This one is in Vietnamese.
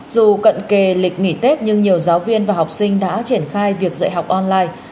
dù cận kề lịch nghỉ tết nhưng nhiều giáo viên và học sinh đã triển khai việc dạy học online